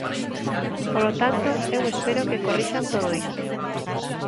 Polo tanto, eu espero que corrixan todo isto.